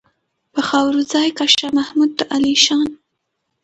په خاورو ځای کا شاه محمود د عالیشان.